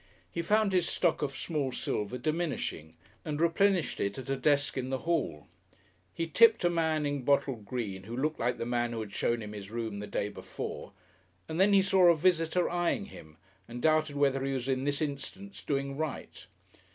He found his stock of small silver diminishing, and replenished it at a desk in the hall. He tipped a man in bottle green who looked like the man who had shown him his room the day before, and then he saw a visitor eyeing him, and doubted whether he was in this instance doing right.